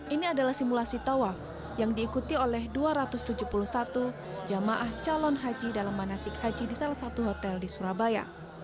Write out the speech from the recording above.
ini adalah simulasi tawaf yang diikuti oleh dua ratus tujuh puluh satu jamaah calon haji dalam manasik haji di salah satu hotel di surabaya